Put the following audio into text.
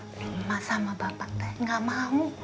lama sama bapak nggak mau